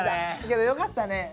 けどよかったね。